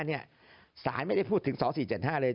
๒๔๗๕เนี่ยศาลไม่ได้พูดถึง๒๔๗๕เลย